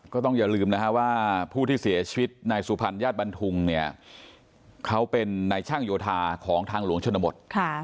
ก็ต้องอย่าลืมนะฮะว่าผู้ที่เสียชีวิตนายสุพรรณญาติบันทุงเนี่ยเขาเป็นนายช่างโยธาของทางหลวงชนบท